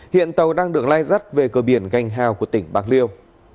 hiện tàu đang được lai rắt về cờ biển gành hào của tỉnh bạc liêu